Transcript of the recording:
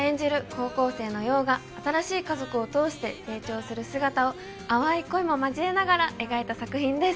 高校生の陽が新しい家族を通して成長する姿を淡い恋も交えながら描いた作品です